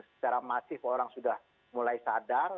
secara masif orang sudah mulai sadar